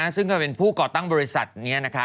ซึ่งก็เป็นผู้ก่อตั้งบริษัทนี้นะคะ